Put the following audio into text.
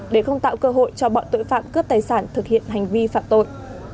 để không tạo cơ hội cho bọn tội phạm cướp tài sản thực hiện hành vi phạm tội